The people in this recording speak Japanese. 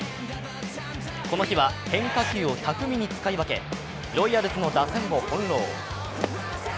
この日は変化球を巧みに使い分け、ロイヤルズの打線を翻弄。